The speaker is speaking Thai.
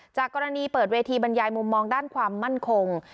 จากกรณีเปิดเวทีบรรยายมุมมองด้านความมั่นคง